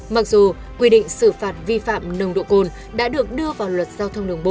mặc dù quy định xử phạt vi phạm nồng độ cồn đã được đưa ra